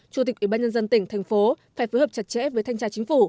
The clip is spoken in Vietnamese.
chủ tịch ủy ban nhân dân tỉnh thành phố phải phối hợp chặt chẽ với thanh tra chính phủ